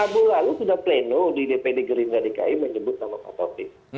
rabu lalu sudah pleno di dpd gerindra dki menyebut nama pak taufik